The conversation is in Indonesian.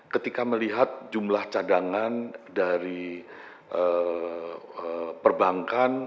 ketika melihat jumlah cadangan dari perbankan